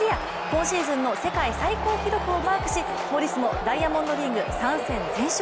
今シーズンの世界最高記録をマークしモリスもダイヤモンドリーグ３戦全勝。